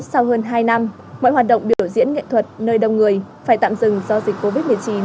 sau hơn hai năm mọi hoạt động biểu diễn nghệ thuật nơi đông người phải tạm dừng do dịch covid một mươi chín